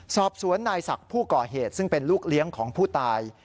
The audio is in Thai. สอบสวนนายศักดิ์ผู้ก่อเหตุซึ่งเป็นลูกเลี้ยงของผู้ตาย